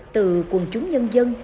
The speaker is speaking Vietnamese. từ quần chúng nhân dân